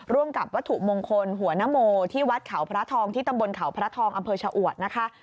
ร่วมกับวัตถุมงคลหัวนโมที่วัดเขาพระทองที่ตำบลเขาพระทองอำเภอชะอวดนะคะ